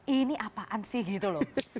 ini apaan sih gitu loh